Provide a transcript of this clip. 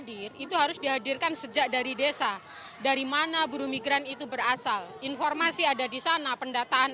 hadir itu harus dihadirkan sejak dari desa dari mana buru migran itu berasal informasi ada di sana pendataan